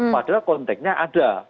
padahal konteknya ada